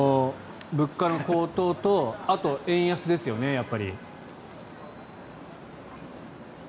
物価の高騰とあと円安ですよね、やっぱり。